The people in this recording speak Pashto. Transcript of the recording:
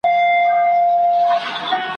د هر چا عیب ته یې دوې سترګي نیولي `